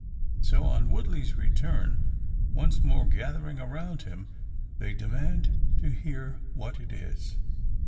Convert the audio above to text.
So, on Woodley's return, once more gathering around him, they demand to hear what it is.